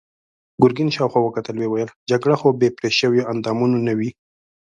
ګرګين شاوخوا وکتل، ويې ويل: جګړه خو بې پرې شويوو اندامونو نه وي.